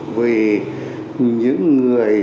vì những người